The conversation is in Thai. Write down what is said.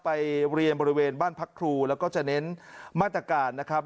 ไปเรียนบริเวณบ้านพักครูแล้วก็จะเน้นมาตรการนะครับ